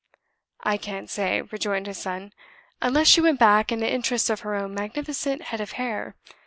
"I can't say," rejoined his son, "unless she went back in the interests of her own magnificent head of hair.